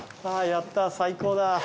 あーやった最高だ。